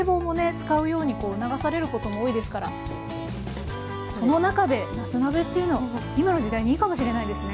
使うようにこう促されることも多いですからその中で「夏鍋」っていうのは今の時代にいいかも知れないですね。